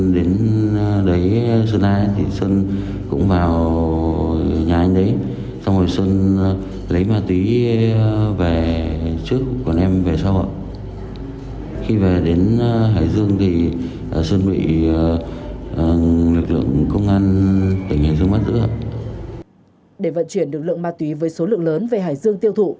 để vận chuyển lực lượng ma túy với số lượng lớn về hải dương tiêu thụ